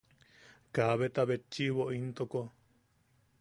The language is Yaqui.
Kaabeta betchiʼibo intoko.